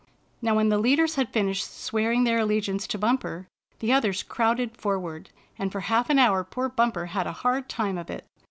Now, when the leaders had finished swearing their allegiance to Bumper, the others crowded forward, and for half an hour poor Bumper had a hard time of it.